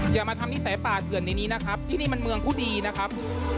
อย่ามาทำนิสัยป่าเถื่อนในนี้นะครับที่นี่มันเมืองผู้ดีนะครับ